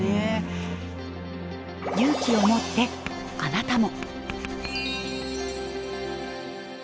勇気を持ってあなたも。